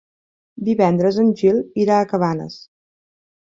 Divendres en Gil irà a Cabanes.